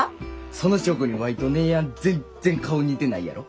その証拠にワイと姉やん全然顔似てないやろ。